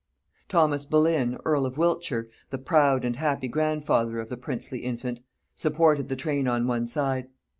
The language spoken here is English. Thomas Boleyn earl of Wiltshire, the proud and happy grandfather of the princely infant, supported the train on one side.